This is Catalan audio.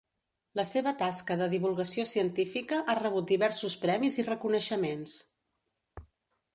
La seva tasca de divulgació científica ha rebut diversos premis i reconeixements.